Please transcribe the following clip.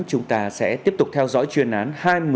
chúng ta sẽ tiếp tục theo dõi chuyên án